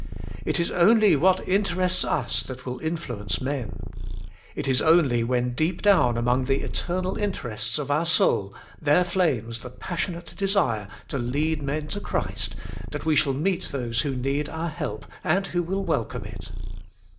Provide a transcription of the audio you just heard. It is only what interests us that will influence men. It is only when deep down among the eternal interests of our soul there flames the Passionate Desire to Lead Men to Christ, that we shall meet those who need our help, and who will welcome it.